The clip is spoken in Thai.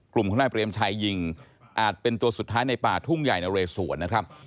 กลุ่มของนายเปรมชัยยิงอาจเป็นตัวสุดท้ายในป่าทุ่งใหญ่นะเรสวนนะครับ